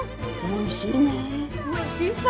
おいしいさ。